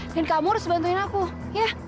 dan kamu harus bantuin aku ya